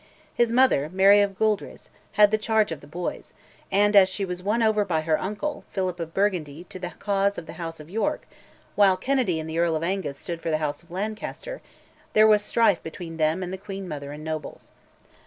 His mother, Mary of Gueldres, had the charge of the boys, and, as she was won over by her uncle, Philip of Burgundy, to the cause of the House of York, while Kennedy and the Earl of Angus stood for the House of Lancaster, there was strife between them and the queen mother and nobles.